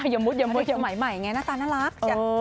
อย่าหมุดใหม่หน้าตาน่ารัก